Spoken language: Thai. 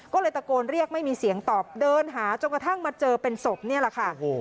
ก็เลยตะโกนเรียกไม่มีเสียงตอบเดินหาจนกระทั่งมาเจอเป็นศพนี่แหละค่ะ